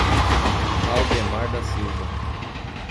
Aldemar da Silva